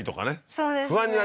そうですね